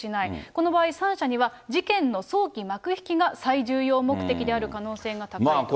この場合、３社には事件の早期幕引きが最重要目的である可能性が高いと。